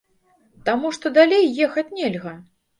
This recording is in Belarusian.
Таму што далей ехаць нельга.